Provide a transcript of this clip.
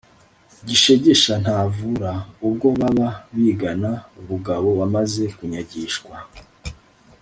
Gishegesha ntavura”. Ubwo baba bigana Bugabo wamaze kunyagishwa